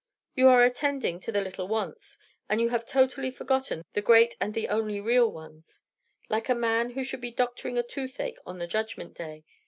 You are attending to the little wants, and you have totally forgotten the great and only real ones, like a man who should be doctoring a toothache on the Judgment Day.